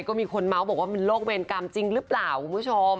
ก็มีคนเม้าท์บอกว่ามันโรคเมรนด์กรรมจริงรึเปล่าคุณผู้ชม